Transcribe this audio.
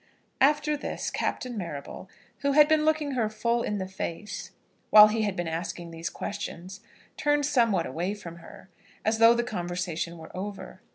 After this Captain Marrable, who had been looking her full in the face while he had been asking these questions, turned somewhat away from her, as though the conversation were over.